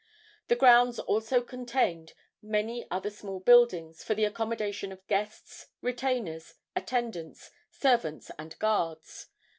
The grounds also contained many other smaller buildings for the accommodation of guests, retainers, attendants, servants and guards.